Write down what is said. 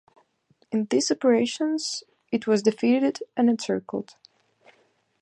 In these operations it was defeated and encircled.